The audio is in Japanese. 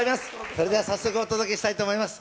それでは早速お届けしたいと思います。